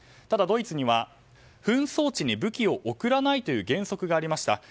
ただ、ドイツには紛争地に武器を送らないという原則がありました。